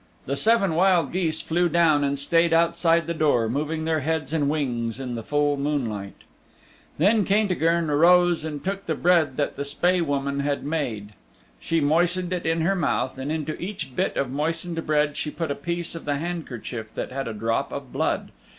The seven wild geese flew down and stayed outside the door, moving their heads and wings in the full moonlight. Then Caintigern arose and took bread that the Spae Woman had made. She moistened it in her mouth, and into each bit of moistened bread she put a piece of the handkerchief that had a drop of blood.